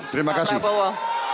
terima kasih pak prabowo